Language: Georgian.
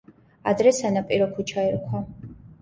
ადრე სანაპირო ქუჩა ერქვა.